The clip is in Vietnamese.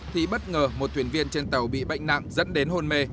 thì bất ngờ một thuyền viên trên tàu bị bệnh nặng dẫn đến hôn mê